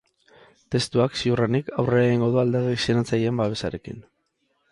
Testuak, ziurrenik, aurrera egingo du alderdi sinatzaileen babesarekin.